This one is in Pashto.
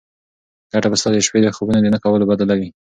ګټه به ستا د شپې د خوبونو د نه کولو بدله وي.